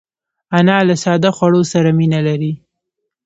انا له ساده خوړو سره مینه لري